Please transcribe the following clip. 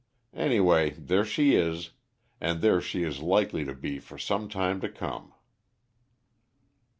Anyway, there she is, and there she is likely to be for some time to come."